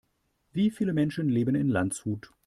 Wie viele Menschen leben in Landshut?